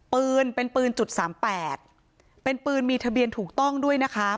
ปืนเป็นปืนจุดสามแปดเป็นปืนมีทะเบียนถูกต้องด้วยนะคะ